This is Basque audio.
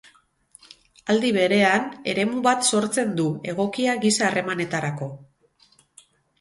Aldi berean, eremu bat sortzen du, egokia giza-harremanetarako.